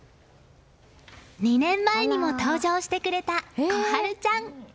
２年前にも登場してくれた心春ちゃん。